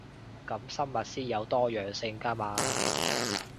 噉生物先有多樣性 𠺢 嘛